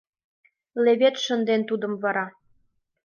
Левед шынден тудым вара.